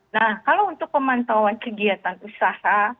nah kalau untuk pemantauan kegiatan usaha